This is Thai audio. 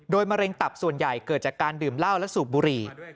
มะเร็งตับส่วนใหญ่เกิดจากการดื่มเหล้าและสูบบุหรี่